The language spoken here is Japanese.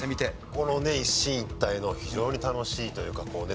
このね一進一退の非常に楽しいというかこうね